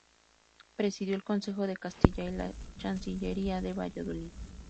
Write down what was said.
Presidió el Consejo de Castilla y la Chancillería de Valladolid.